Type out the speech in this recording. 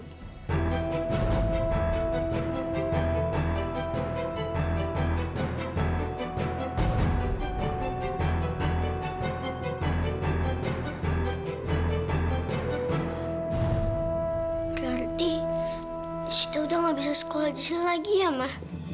berarti sita udah gak bisa sekolah disini lagi ya